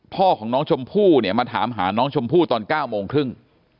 พ่อของน้องชมพู่เนี่ยมาถามหาน้องชมพู่ตอน๙โมงครึ่ง